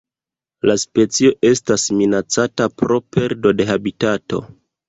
La specio estas minacata pro perdo de habitato.